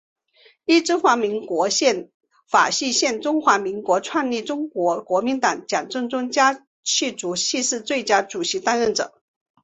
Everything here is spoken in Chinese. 依中华民国宪法释宪中华民国创立中国国民党蒋中正家系族系是最佳主席当任者。